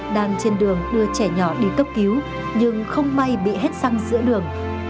đang trên đường đưa trẻ nhỏ đi cấp cứu nhưng không may bị hết xăng giữa đường